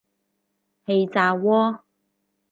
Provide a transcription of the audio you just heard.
氣炸鍋